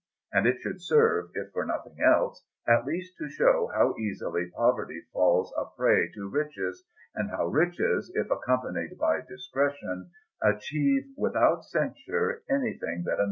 And it should serve, if for nothing else, at least to show how easily poverty falls a prey to riches, and how riches, if accompanied by discretion, achieve without censure anything that a man desires.